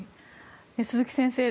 鈴木先生